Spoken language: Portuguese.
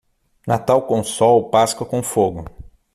Natal com sol, Páscoa com fogo.